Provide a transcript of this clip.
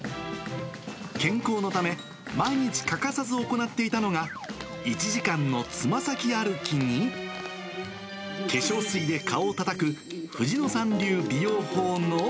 健康のため毎日欠かさず行っていたのが、１時間のつま先歩きに、化粧水で顔をたたく藤野さん流美容法の。